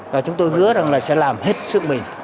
và chúng tôi hứa rằng là sẽ làm hết sức mình